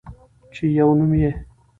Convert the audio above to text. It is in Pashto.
چې يو نوم يې